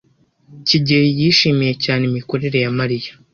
kigeli yishimiye cyane imikorere ya Mariya.